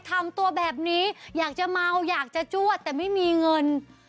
ทำตัวแบบนี้อยากจะเมาอยากจะจวดแต่ไม่มีเงิน